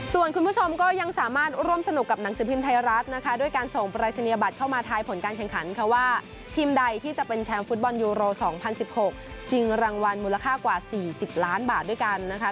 ส่วนคุณผู้ชมก็ยังสามารถร่วมสนุกกับหนังสือพิมพ์ไทยรัฐนะคะด้วยการส่งปรายศนียบัตรเข้ามาทายผลการแข่งขันค่ะว่าทีมใดที่จะเป็นแชมป์ฟุตบอลยูโร๒๐๑๖ชิงรางวัลมูลค่ากว่า๔๐ล้านบาทด้วยกันนะคะ